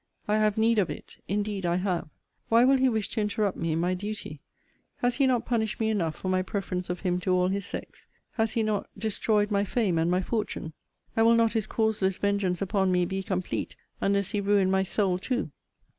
I have need of it. Indeed I have. Why will he wish to interrupt me in my duty? Has he not punished me enough for my preference of him to all his sex? Has he not destroyed my fame and my fortune? And will not his causeless vengeance upon me be complete, unless he ruin my soul too?